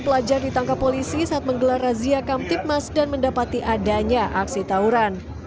dua puluh delapan pelajar ditangkap polisi saat menggelar razia kamtip mas dan mendapati adanya aksi tawuran